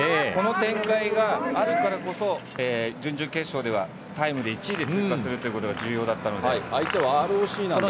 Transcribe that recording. この展開があるからこそ、準々決勝では、タイムで１位で通過するということが重要だったので。